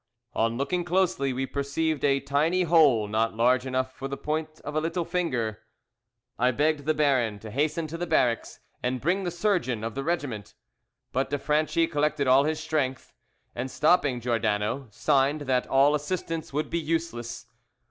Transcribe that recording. On looking closely, we perceived a tiny hole not large enough for the point of a little finger. I begged the Baron to hasten to the barracks, and bring the surgeon of the regiment. But de Franchi collected all his strength, and stopping Giordano, signed that all assistance would be useless.